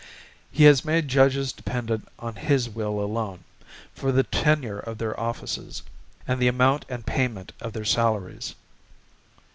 He has made judges dependent on his Will alone, for the tenure of their offices, and the amount and payment of their salaries.